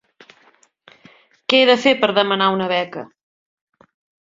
Què he de fer per demanar una beca?